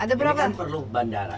ini kan perlu bandara